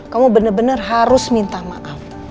kamu bener bener harus minta maaf